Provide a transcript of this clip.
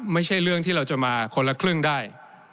ไม่ใช่เรื่องที่เราจะมาคนละครึ่งได้